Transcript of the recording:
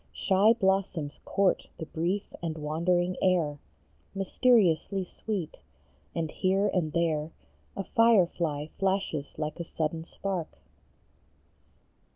H. Shy blossoms court the brief and wandering air, Mysteriously sweet ; and here and there A firefly flashes like a sudden spark